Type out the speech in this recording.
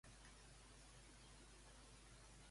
El xai de quines maneres puc cuinar-lo?